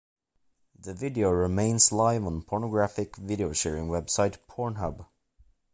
The video remains live on pornographic video sharing website Pornhub.